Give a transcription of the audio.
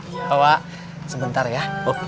iya wak sebentar ya